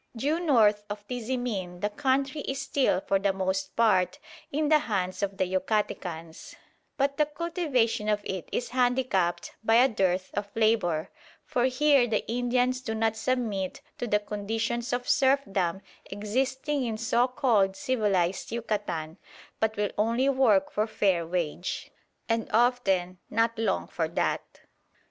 Due north of Tizimin the country is still for the most part in the hands of the Yucatecans; but the cultivation of it is handicapped by a dearth of labour, for here the Indians do not submit to the conditions of serfdom existing in so called civilised Yucatan, but will only work for fair wage, and often not long for that.